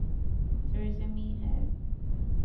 سرزمین ہے